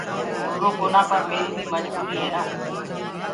ڀوُلروَ ڪونآ پر ميريٚ بيٚ مجبوريٚ هي نآ